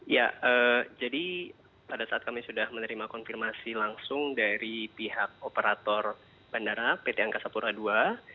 ya jadi pada saat kami sudah menerima konfirmasi langsung dari pihak operator bandara pt angkasa pura ii